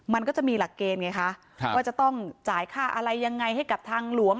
มันก็จะมีหลักเกณฑ์ไงคะว่าจะต้องจ่ายค่าอะไรยังไงให้กับทางหลวง